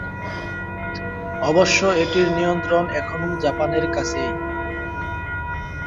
অবশ্য এটির নিয়ন্ত্রণ এখনো জাপানের কাছেই।